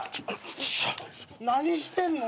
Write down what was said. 何してんの！？